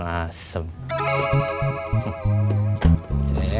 nih bolok ke dalam